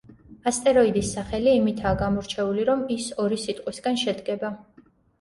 ასტეროიდის სახელი იმითაა გამორჩეული, რომ ის ორი სიტყვისგან შედგება.